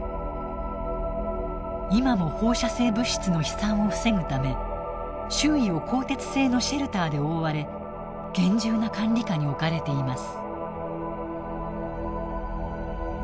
今も放射性物質の飛散を防ぐため周囲を鋼鉄製のシェルターで覆われ厳重な管理下に置かれています。